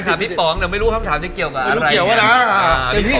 ที่เป็นแฟนคลับถามใหญ่ก็ได้นะ